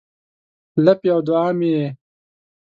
لپې او دوعا مې یې